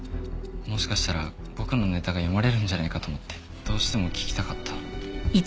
もしかしたら僕のネタが読まれるんじゃないかと思ってどうしても聴きたかった。